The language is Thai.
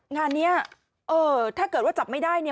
งานนี้เออถ้าเกิดว่าจับไม่ได้เนี่ย